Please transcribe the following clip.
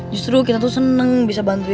justru kita tuh seneng bisa bantuin lo